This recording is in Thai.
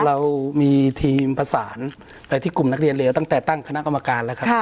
เรามีทีมประสานไปที่กลุ่มนักเรียนเลวตั้งแต่ตั้งคณะกรรมการแล้วครับ